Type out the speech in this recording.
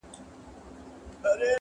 دا د پردیو اجل مه ورانوی٫